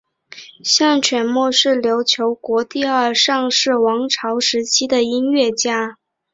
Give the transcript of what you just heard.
向全谟是琉球国第二尚氏王朝时期的音乐家。